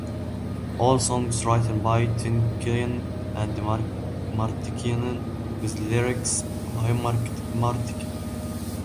All songs written by Tynkkynen and Martikainen, with lyrics by Martikainen.